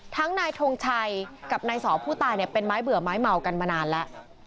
นายทงชัยกับนายสอผู้ตายเป็นไม้เบื่อไม้เมากันมานานแล้ว